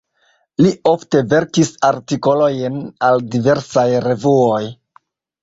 Li ofte verkis artikolojn al diversaj revuoj.